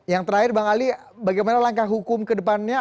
yang terakhir bang ali bagaimana langkah hukum ke depannya